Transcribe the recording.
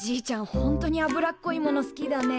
ほんとに脂っこいもの好きだね。